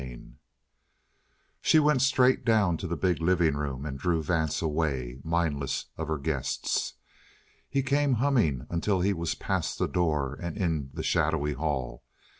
CHAPTER 9 She went straight down to the big living room and drew Vance away, mindless of her guests. He came humming until he was past the door and in the shadowy hall.